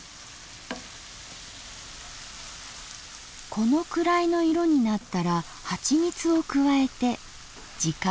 このくらいの色になったらはちみつを加えて時間短縮。